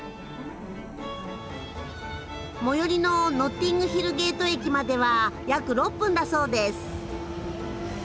最寄りのノッティングヒルゲート駅までは約６分だそうです。